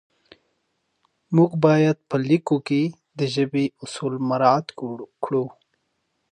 موږ باید په لیکلو کې د ژبې اصول مراعت کړو